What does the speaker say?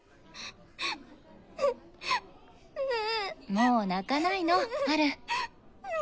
もう泣かないのハル。